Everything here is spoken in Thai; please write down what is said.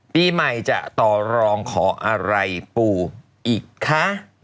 ปีใหม่จะต่อรองขออะไรปู่อีกคะ